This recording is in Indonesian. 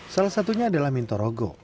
salah satunya adalah mintorogo